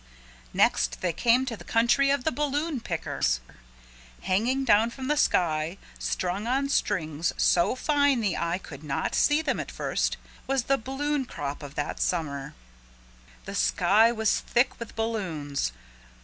Next they came to the country of the balloon pickers. Hanging down from the sky strung on strings so fine the eye could not see them at first, was the balloon crop of that summer. The sky was thick with balloons.